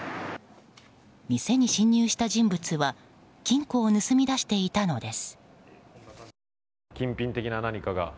店に侵入した人物は金庫を盗み出していたのです。